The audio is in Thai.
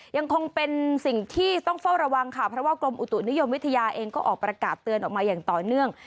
ยังคงเป็นสิ่งที่ต้องเฝ้าระวังค่ะเพราะว่ากรมอุตุนิยมวิทยาเองก็ออกประกาศเตือนออกมาอย่างต่อเนื่อง